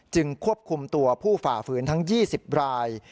ควบคุมตัวผู้ฝ่าฝืนทั้ง๒๐ราย